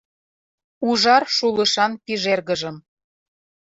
Ужар шулышан пижергыжым